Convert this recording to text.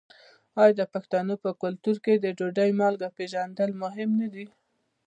آیا د پښتنو په کلتور کې د ډوډۍ مالګه پیژندل مهم نه دي؟